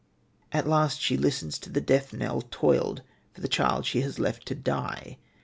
At last she listens to the death knell tolled for the child she has left to die.